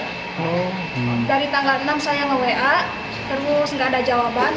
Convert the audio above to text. dari tanggal enam saya nge wa terus nggak ada jawaban